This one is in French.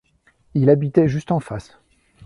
Il habitait juste en face.